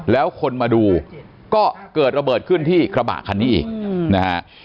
แล้วคนมาดูก็เกิดระเบิดขึ้นที่กระบะคันนี้อีกนะฮะ